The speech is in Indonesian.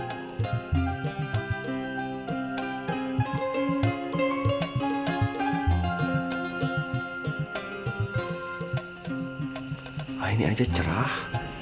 nah ini aja cerah